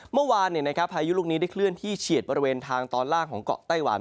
เมื่อวานพายุลูกนี้ได้เคลื่อนที่เฉียดบริเวณทางตอนล่างของเกาะไต้หวัน